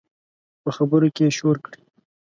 په خبرو کې یې شور کړي